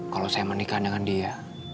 kalau saya menikah dengan dia